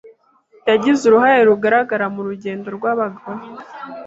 Yagize uruhare rugaragara mu rugendo rw’abagore.